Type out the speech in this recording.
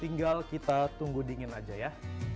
tinggal kita tunggu dingin aja ya